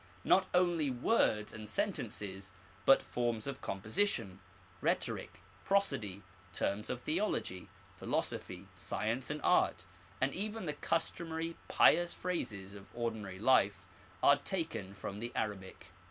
Not only words and sentences, but forms of composition, rhetoric, prosody, terms of theology, philosophy, science and art, and even the customary pious phrases of ordinary life, are taken from the Arabic.